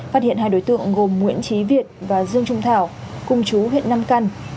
phát hiện hai đối tượng gồm nguyễn trí việt và dương trung thảo cùng chú huyện nam căn